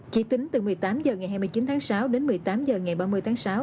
chỉ tính từ một mươi tám h ngày hai mươi chín tháng sáu đến một mươi tám h ngày ba mươi tháng sáu